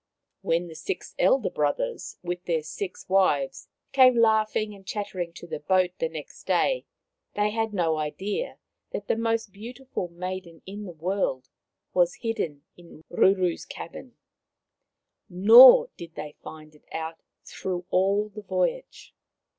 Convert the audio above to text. When the six elder brothers, with their six wives, came laughing and chattering to the boat the next day, they had no idea that the most beautiful maiden in the world was hidden in The Most Beautiful Maiden 181 Ruru's cabin. Nor did they find it out through all the voyage.